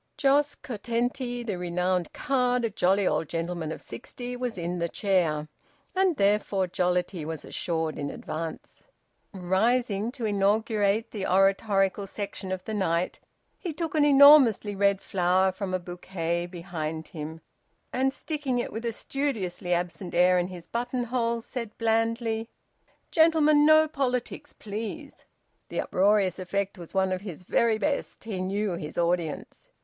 Jos Curtenty, the renowned card, a jolly old gentleman of sixty, was in the chair, and therefore jollity was assured in advance. Rising to inaugurate the oratorical section of the night, he took an enormous red flower from a bouquet behind him, and sticking it with a studiously absent air in his button hole, said blandly, "Gentlemen, no politics, please!" The uproarious effect was one of his very best. He knew his audience.